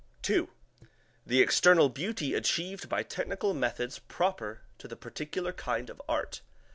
(2) The external beauty achieved by technical methods proper to the particular kind of art.